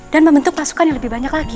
dan membentuk pasukan yang lebih banyak lagi